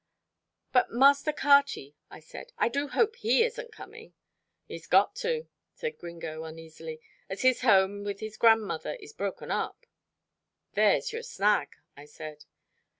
"But Master Carty," I said, "I do hope he isn't coming." "He's got to," said Gringo uneasily, "as his home with his grandmother is broken up." "There's your snag," I said.